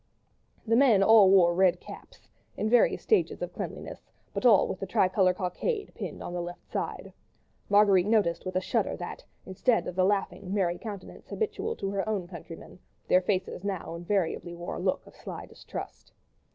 The men all wore red caps—in various stages of cleanliness—but all with the tricolour cockade pinned on the left hand side. Marguerite noticed with a shudder that, instead of the laughing, merry countenance habitual to her own countrymen, their faces now invariably wore a look of sly distrust.